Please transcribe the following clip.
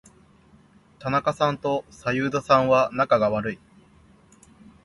田中さんと左右田さんは仲が悪い。